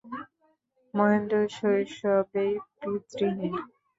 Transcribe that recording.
মহেন্দ্র শৈশবেই পিতৃহীন।